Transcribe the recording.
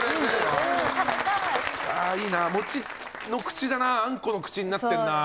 いいな餅の口だな餡子の口になってんなぁ。